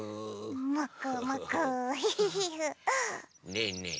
ねえねえ。